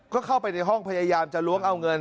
ก็เข้าไปในห้องพยายามจะล้วงเอาเงิน